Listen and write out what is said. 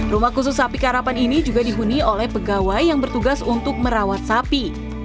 rumah khusus sapi karapan ini juga dihuni oleh pegawai yang bertugas untuk merawat sapi